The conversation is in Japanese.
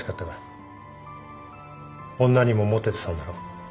女にもモテてたんだろ？